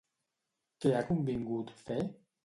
Què ha convingut fer?